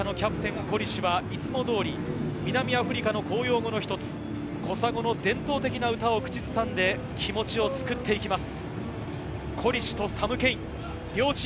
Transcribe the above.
そして、南アフリカのキャプテン、コリシはいつも通り南アフリカの公用語の１つ、コサ語の伝統的な歌を口ずさんで気持ちを作っていきます。